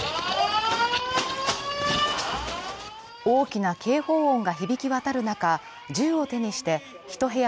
大きな警報音が響き渡る中、銃を手にして１部屋